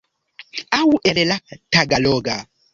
Aŭ el la tagaloga.